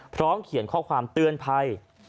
พร้อมเขียนข้อความเตือนภัย